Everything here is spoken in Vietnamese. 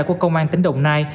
của công an tỉnh đồng nai